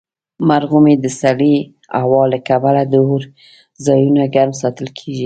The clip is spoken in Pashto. مرغومی د سړې هوا له کبله د اور ځایونه ګرم ساتل کیږي.